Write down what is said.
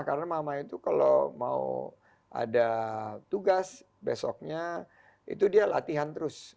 karena mama itu kalau mau ada tugas besoknya itu dia latihan terus